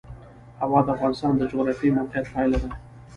هوا د افغانستان د جغرافیایي موقیعت پایله ده.